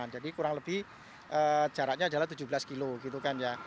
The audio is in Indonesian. jadi kurang lebih jaraknya adalah tujuh belas km gitu kan ya